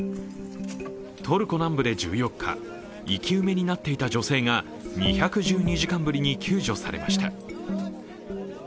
トルコ南部で１４日、生き埋めになっていた女性が２１２時間ぶりに救助されました。